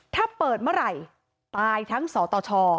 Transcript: ถ้าเปิดเมื่อไหร่ตายทั้งสตช